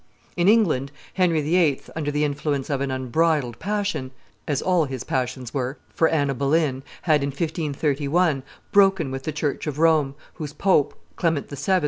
In England, Henry VIII., under the influence of an unbridled passion, as all his passions were, for Anna Boleyn, had, in 1531, broken with the church of Rome, whose pope, Clement VII.